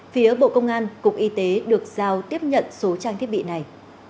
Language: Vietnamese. phía bộ công an cục y tế được giao tiếp nhận số trang thiết bị này